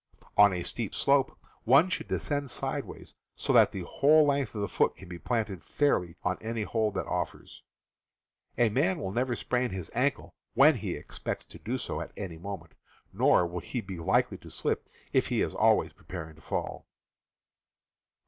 On a steep slope one should descend sideways, so that the whole length of the foot can be planted fairly on any hold that offers. A man will never sprain his ankle when he expects to do so at any moment, nor will he be likely to slip if he is always prepared to fall.